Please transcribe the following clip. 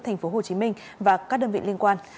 tp hcm và các đơn vị liên quan